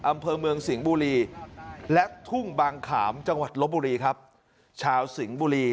อำเภอเมืองสิงห์บุรีและทุ่งบางขามจังหวัดลบบุรีครับชาวสิงห์บุรี